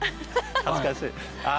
恥ずかしい。